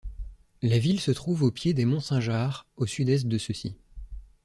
La ville se trouve au pied des monts Sinjar, au sud-est de ceux-ci.